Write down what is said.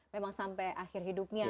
memang sampai akhir hidupnya